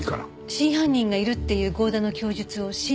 真犯人がいるっていう剛田の供述を信じるって事？